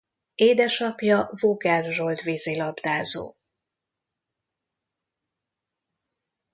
Édesapja Vogel Zsolt vízilabdázó.